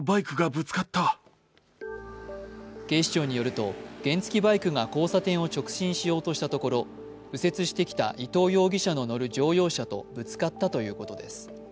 警視庁によると、原付きバイクが交差点を直進しようとしたところ右折してきた伊東容疑者の乗る乗用車とぶつかったということです。